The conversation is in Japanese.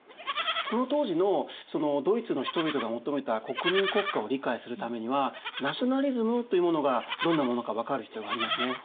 この当時のドイツの人々が求めた国民国家を理解するためにはナショナリズムというものがどんなものか分かる必要がありますね。